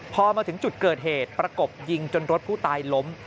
พอมาถึงจุดเกิดเหตุประกบยิงจนรถผู้ตายล้ม